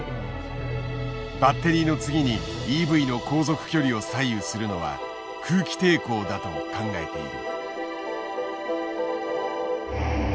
バッテリーの次にＥＶの航続距離を左右するのは空気抵抗だと考えている。